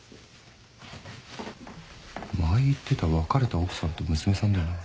前言ってた別れた奥さんと娘さんだよな？